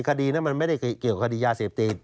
คดีนั้นมันไม่ได้เกี่ยวกับคดียาเสพติด